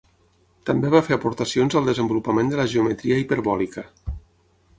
També va fer aportacions al desenvolupament de la geometria hiperbòlica.